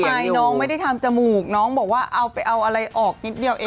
พี่แจกก็ว่าไปน้องไม่ได้ทำจมูกน้องบอกว่าเอาอะไรออกนิดเดียวเอง